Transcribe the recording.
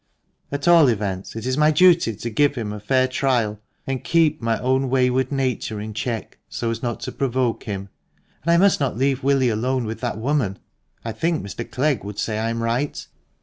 At all events, it is my duty to give him a fair trial, and keep my own wayward nature in check, so as not to provoke him ; and I must not leave Willie alone with that woman. I think Mr. Clegg would say I am right."